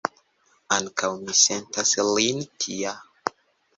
Ankaŭ mi sentas lin tia.